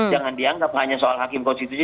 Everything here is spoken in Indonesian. jangan dianggap hanya soal hakim konstitusi